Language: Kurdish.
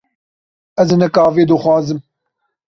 Ez hinek avê dixazim.